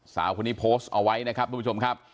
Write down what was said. สาวคนนี้โพสต์เอาไว้นะครับทุกผู้ชมครับ